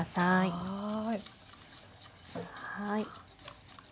はい。